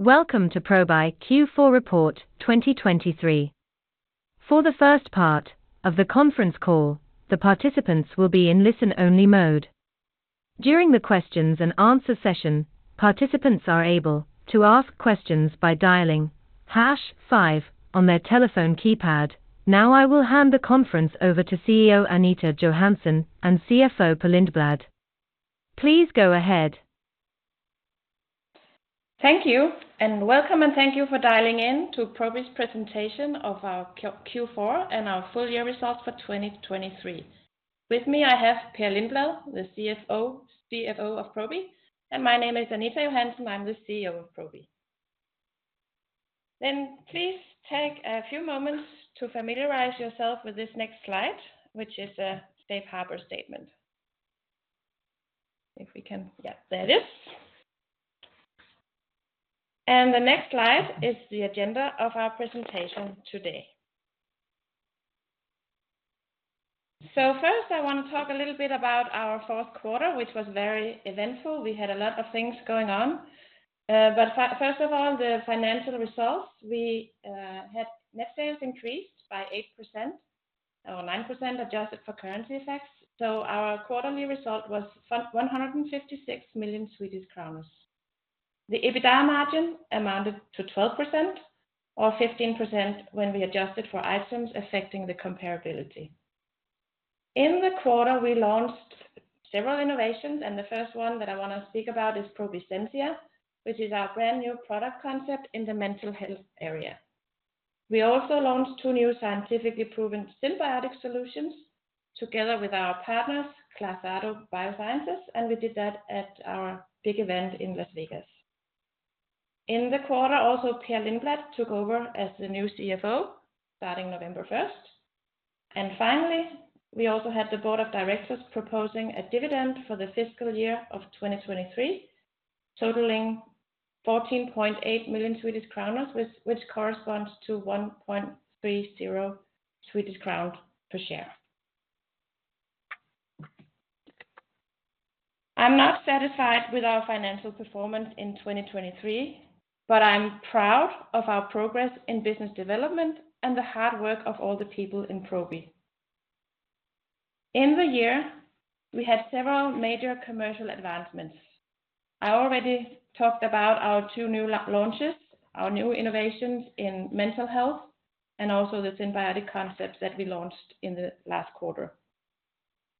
Welcome to Probi Q4 Report 2023. For the first part of the conference call, the participants will be in listen-only mode. During the questions-and-answers session, participants are able to ask questions by dialing hash five on their telephone keypad. Now I will hand the conference over to CEO Anita Johansen and CFO Per Lindblad. Please go ahead. Thank you, and welcome, and thank you for dialing in to Probi's presentation of our Q4 and our full-year results for 2023. With me I have Per Lindblad, the CFO of Probi, and my name is Anita Johansen, I'm the CEO of Probi. Then please take a few moments to familiarize yourself with this next slide, which is a safe harbor statement. If we can, there it is. The next slide is the agenda of our presentation today. First I want to talk a little bit about our fourth quarter, which was very eventful, we had a lot of things going on. First of all, the financial results: we had net sales increased by 8%, or 9% adjusted for currency effects, so our quarterly result was 156 million Swedish kronor. The EBITDA margin amounted to 12%, or 15% when we adjusted for items affecting the comparability. In the quarter we launched several innovations, and the first one that I want to speak about is Probi Sensia, which is our brand-new product concept in the mental health area. We also launched two new scientifically proven synbiotic solutions together with our partners, Clasado Biosciences, and we did that at our big event in Las Vegas. In the quarter, Per Lindblad took over as the new CFO, starting November 1st. Finally we also had the board of directors proposing a dividend for the fiscal year of 2023, totaling 14.8 million, which corresponds to 1.30 Swedish crown per share. I'm not satisfied with our financial performance in 2023, but I'm proud of our progress in business development and the hard work of all the people in Probi. In the year we had several major commercial advancements. I already talked about our two new launches, our new innovations in mental health, and also the symbiotic concepts that we launched in the last quarter.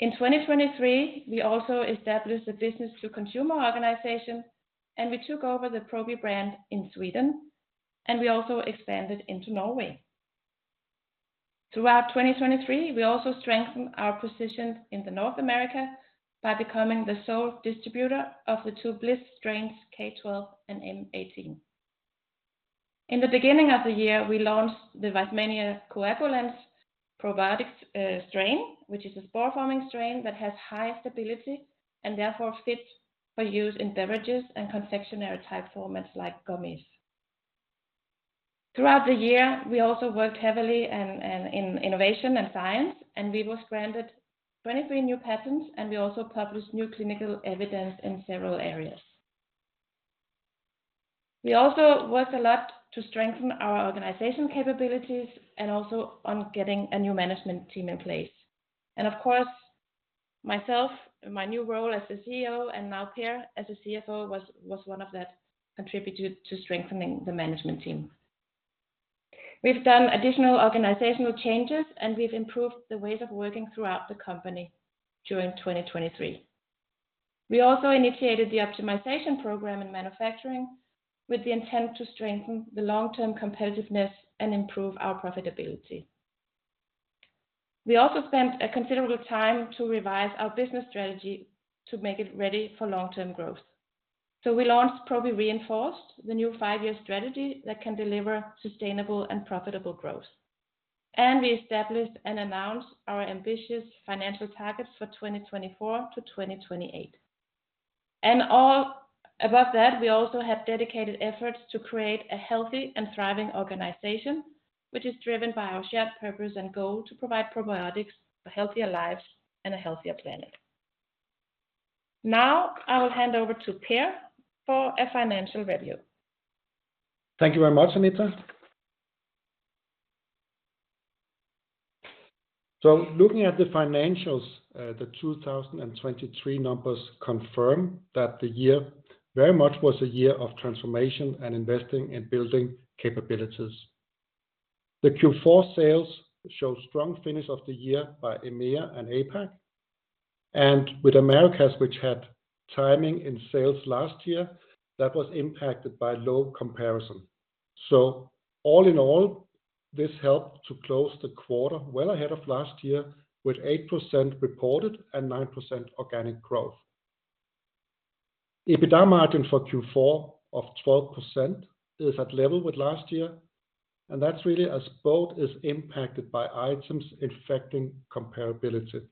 In 2023 we also established a business-to-consumer organization, and we took over the Probi brand in Sweden, and we also expanded into Norway. Throughout 2023 we also strengthened our position in North America by becoming the sole distributor of the two BLIS strains K12 and M18. In the beginning of the year we launched the Weizmannia coagulans probiotic strain, which is a spore-forming strain that has high stability and therefore fits for use in beverages and confectionery-type formats like gummies. Throughout the year we also worked heavily in innovation and science, and we granted 23 new patents, and we also published new clinical evidence in several areas. We also worked a lot to strengthen our organization capabilities and also on getting a new management team in place. Of course myself, my new role as the CEO, and now Per as the CFO was one of that contributed to strengthening the management team. We've done additional organizational changes, and we've improved the ways of working throughout the company during 2023. We also initiated the optimization program in manufacturing with the intent to strengthen the long-term competitiveness and improve our profitability. We also spent considerable time to revise our business strategy to make it ready for long-term growth. We launched Probi Reinforced, the new five-year strategy that can deliver sustainable and profitable growth. We established and announced our ambitious financial targets for 2024 to 2028. All above that we also have dedicated efforts to create a healthy and thriving organization, which is driven by our shared purpose and goal to provide probiotics for healthier lives and a healthier planet. Now I will hand over to Per for a financial review. Thank you very much, Anita. Looking at the financials, the 2023 numbers confirm that the year very much was a year of transformation and investing in building capabilities. The Q4 sales showed strong finish of the year by EMEA and APAC. With Americas, which had timing in sales last year, that was impacted by low comparison. All in all, this helped to close the quarter well ahead of last year with 8% reported and 9% organic growth. EBITDA margin for Q4 of 12% is at level with last year, and that's really as both is impacted by items affecting comparability.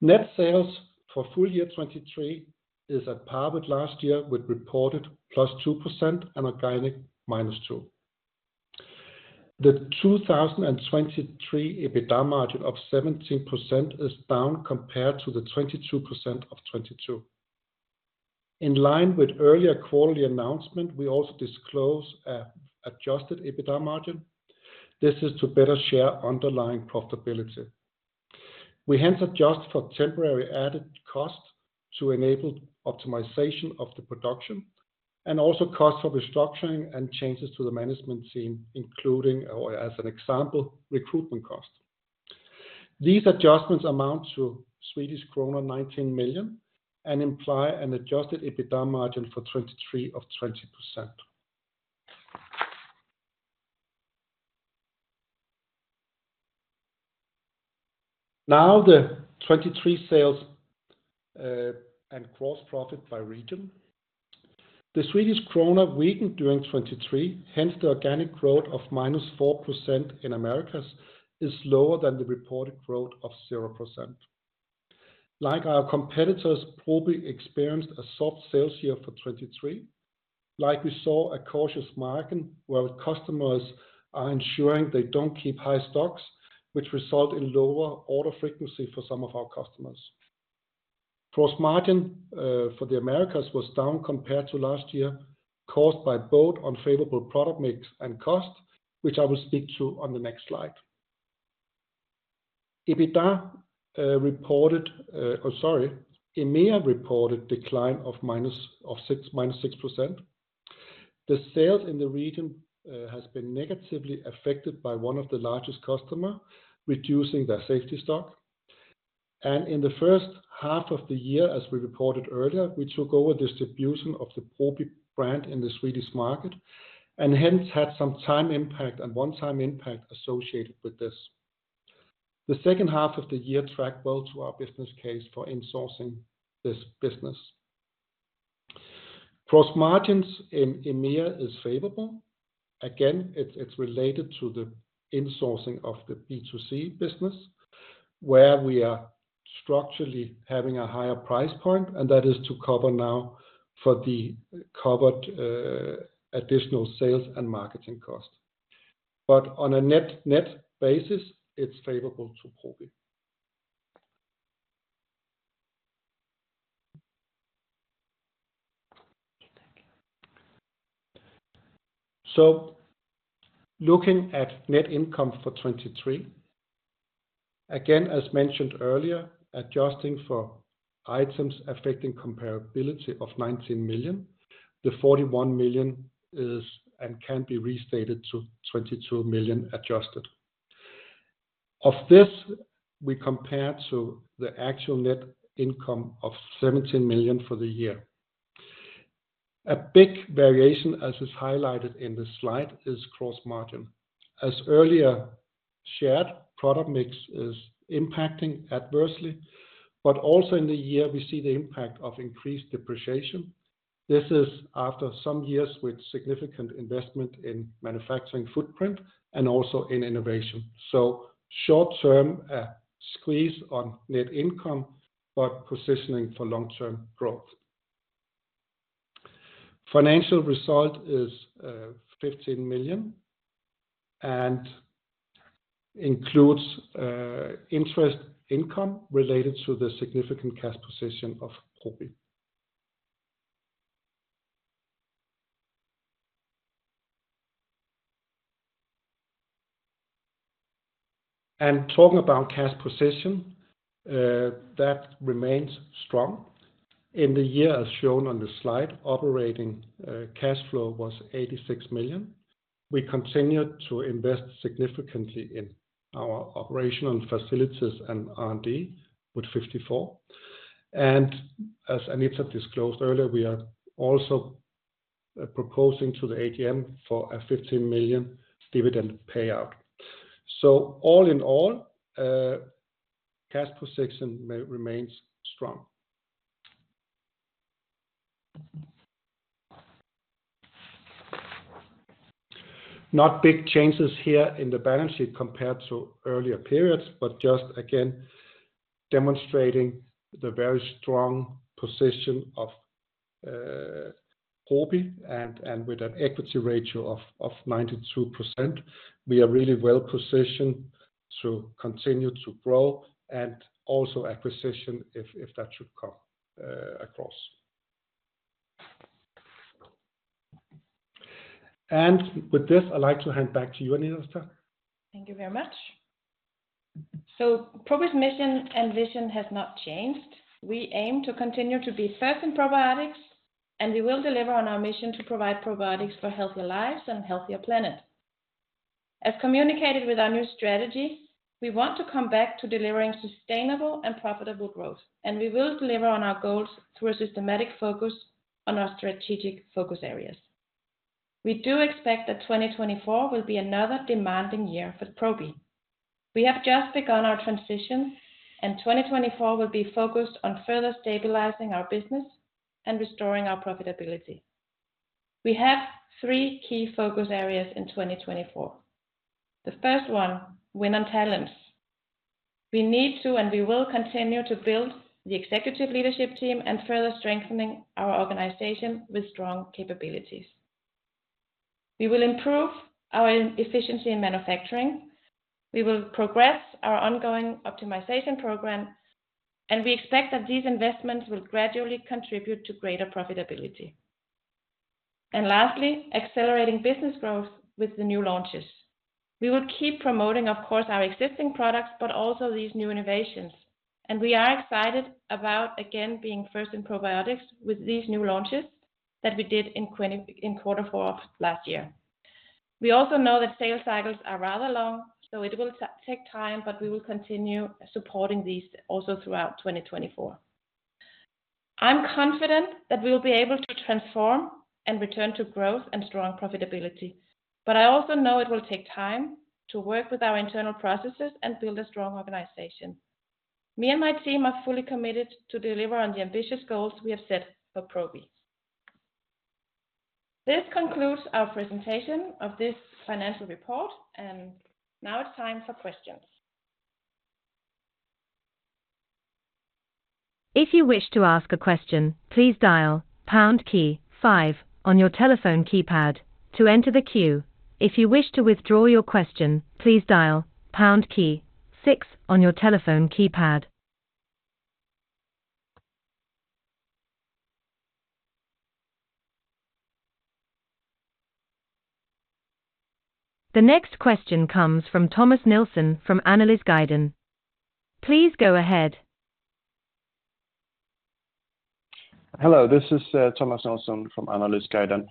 Net sales for full year 2023 is at par with last year with reported +2% and organic -2%. The 2023 EBITDA margin of 17% is down compared to the 22% of 2022. In line with earlier quarterly announcement we also disclosed an adjusted EBITDA margin. This is to better share underlying profitability. We hence adjust for temporary added cost to enable optimization of the production, and also cost for restructuring and changes to the management team, including, as an example, recruitment cost. These adjustments amount to Swedish krona 19 million and imply an adjusted EBITDA margin for 2023 of 20%. Now the 2023 sales and gross profit by region. The Swedish krona weakened during 2023, hence the organic growth of -4% in Americas is lower than the reported growth of 0%. Like our competitors Probi experienced a soft sales year for 2023, like we saw a cautious margin where customers are ensuring they don't keep high stocks, which result in lower order frequency for some of our customers. Gross margin for the Americas was down compared to last year, caused by both unfavorable product mix and cost, which I will speak to on the next slide. EMEA reported decline of -6%. The sales in the region have been negatively affected by one of the largest customers, reducing their safety stock. In the first half of the year, as we reported earlier, we took over distribution of the Probi brand in the Swedish market and hence had some time impact and one-time impact associated with this. The second half of the year tracked well to our business case for insourcing this business. Gross margins in EMEA is favorable. Again, it's related to the insourcing of the B2C business, where we are structurally having a higher price point, and that is to cover now for the covered additional sales and marketing costs. On a net-net basis, it's favorable to Probi. Looking at net income for 2023, again as mentioned earlier, adjusting for items affecting comparability of 19 million, the 41 million is and can be restated to 22 million adjusted. Of this, we compare to the actual net income of 17 million for the year. A big variation, as is highlighted in the slide, is gross margin. As earlier shared, product mix is impacting adversely, but also in the year we see the impact of increased depreciation. This is after some years with significant investment in manufacturing footprint and also in innovation. Short-term a squeeze on net income, but positioning for long-term growth. Financial result is 15 million, and includes interest income related to the significant cash position of Probi. Talking about cash position, that remains strong. In the year, as shown on the slide, operating cash flow was 86 million. We continue to invest significantly in our operational facilities and R&D with 54 million. As Anita disclosed earlier, we are also proposing to the AGM for a 15 million dividend payout. All in all, cash position remains strong. Not big changes here in the balance sheet compared to earlier periods, but just again demonstrating the very strong position of Probi and with an equity ratio of 92%. We are really well positioned to continue to grow and also acquisition if that should come across. With this, I'd like to hand back to you, Anita. Thank you very much. Probi's mission and vision has not changed. We aim to continue to be first in probiotics, and we will deliver on our mission to provide probiotics for healthier lives and a healthier planet. As communicated with our new strategy, we want to come back to delivering sustainable and profitable growth, and we will deliver on our goals through a systematic focus on our strategic focus areas. We do expect that 2024 will be another demanding year for Probi. We have just begun our transition, and 2024 will be focused on further stabilizing our business and restoring our profitability. We have three key focus areas in 2024. The first one, winning talents. We need to and we will continue to build the executive leadership team and further strengthening our organization with strong capabilities. We will improve our efficiency in manufacturing. We will progress our ongoing optimization program, and we expect that these investments will gradually contribute to greater profitability. Lastly, accelerating business growth with the new launches. We will keep promoting, of course, our existing products, but also these new innovations, and we are excited about again being first in probiotics with these new launches that we did in quarter four last year. We also know that sales cycles are rather long, so it will take time, but we will continue supporting these also throughout 2024. I'm confident that we will be able to transform and return to growth and strong profitability, but I also know it will take time to work with our internal processes and build a strong organization. Me and my team are fully committed to deliver on the ambitious goals we have set for Probi. This concludes our presentation of this financial report, and now it's time for questions. If you wish to ask a question, please dial pound key five on your telephone keypad to enter the queue. If you wish to withdraw your question, please dial pound key six on your telephone keypad. The next question comes from Thomas Nielsen from Analysguiden. Please go ahead. Hello, this is Thomas Nielsen from Analysguiden.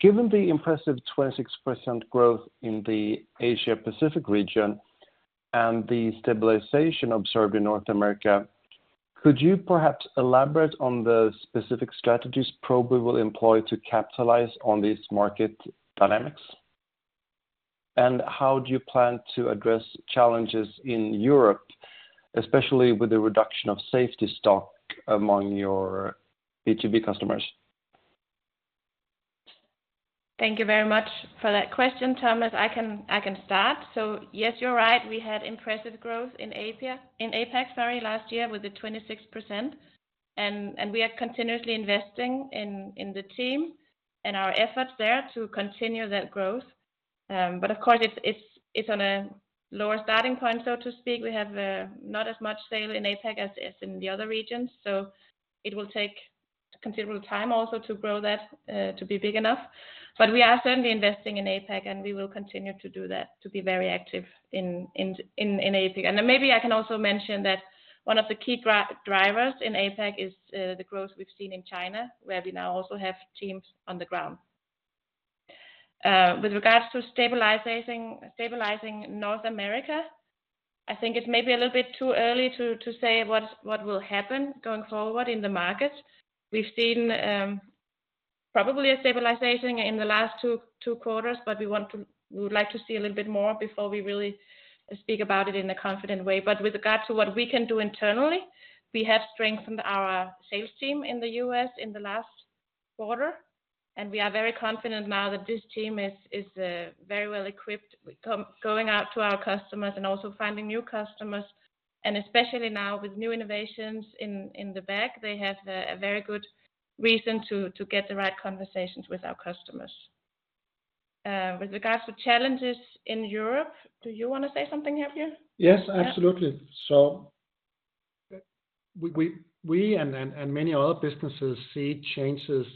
Given the impressive 26% growth in the Asia-Pacific region and the stabilization observed in North America, could you perhaps elaborate on the specific strategies Probi will employ to capitalize on these market dynamics? How do you plan to address challenges in Europe, especially with the reduction of safety stock among your B2B customers? Thank you very much for that question, Thomas. I can start. Yes, you're right. We had impressive growth in APAC last year with 26%, and we are continuously investing in the team and our efforts there to continue that growth. Of course, it's on a lower starting point, so to speak. We have not as much sales in APAC as in the other regions, so it will take considerable time also to grow that, to be big enough. But we are certainly investing in APAC, and we will continue to do that, to be very active in APAC. Maybe I can also mention that one of the key drivers in APAC is the growth we've seen in China, where we now also have teams on the ground. With regards to stabilizing North America, I think it's maybe a little bit too early to say what will happen going forward in the markets. We've seen probably a stabilization in the last two quarters, but we would like to see a little bit more before we really speak about it in a confident way. With regards to what we can do internally, we have strengthened our sales team in the U.S. in the last quarter, and we are very confident now that this team is very well equipped going out to our customers and also finding new customers. Especially now with new innovations in the back, they have a very good reason to get the right conversations with our customers. With regards to challenges in Europe, do you want to say something, Per? Yes, absolutely. We and many other businesses see changes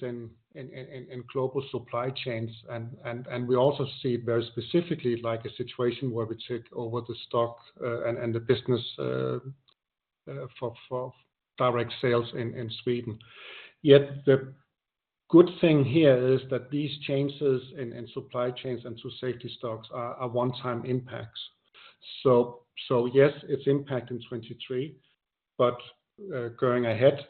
in global supply chains, and we also see it very specifically like a situation where we took over the stock and the business for direct sales in Sweden. Yet the good thing here is that these changes in supply chains and to safety stocks are one-time impacts. Yes, it's impact in 2023, but going ahead,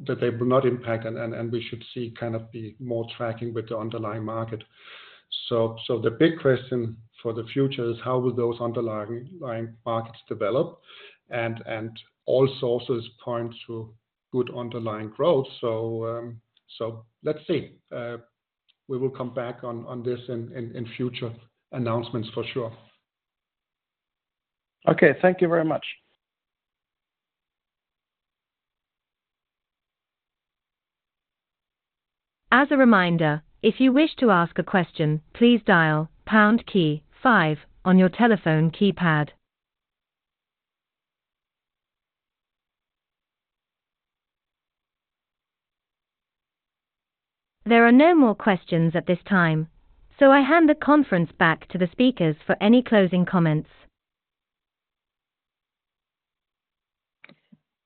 they will not impact, and we should see kind of be more tracking with the underlying market. The big question for the future is how will those underlying markets develop, and all sources point to good underlying growth. Let's see. We will come back on this in future announcements, for sure. Okay, thank you very much. As a reminder, if you wish to ask a question, please dial pound key five on your telephone keypad. There are no more questions at this time, so I hand the conference back to the speakers for any closing comments.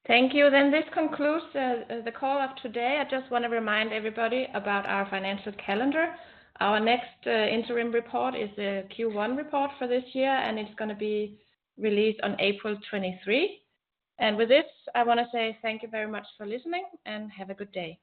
Thank you. Then this concludes the call of today. I just want to remind everybody about our financial calendar. Our next interim report is the Q1 report for this year, and it's going to be released on April 23. With this, I want to say thank you very much for listening and have a good day.